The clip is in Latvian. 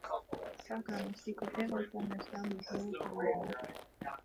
Tā kā mēs tikko ievācāmies, tā būtu liela problēma!